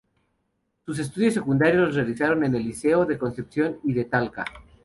Sus estudios secundarios los realiza en el Liceo de Concepción y de Talca.